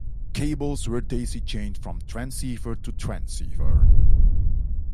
Cables were daisy-chained from transceiver to transceiver.